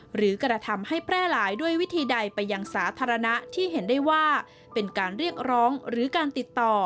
หรือกระทำให้แพร่หลายด้วยวิธีใดไปยังสาธารณะที่เห็นได้ว่าเป็นการเรียกร้องหรือการติดต่อ